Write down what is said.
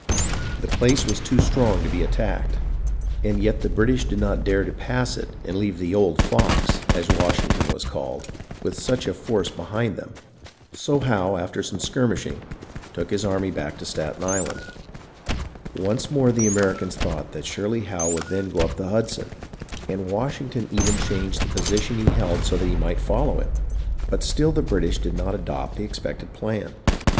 The place was too strong to be attacked, and yet the British did not dare to pass it and leave the "old fox," as Washington was called, with such a force behind them ; so Howe, after some skirmishing, took his army back to Staten Island, Once more the Americans thought that surely Howe would then go up the Hudson ; and Washington even changed the position he held so that he might follow him ; but still the British did not adopt the expected plan.